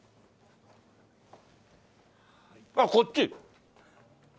あっこっち？